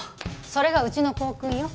それがうちの校訓よ。